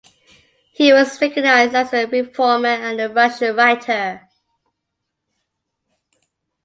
He was recognized as a reformer and a Russian writer.